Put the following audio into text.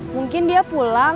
mungkin dia pulang